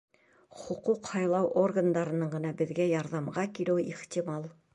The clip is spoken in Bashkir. Хоҡуҡ һаҡлау органдарының ғына беҙгә ярҙамға килеүе ихтимал.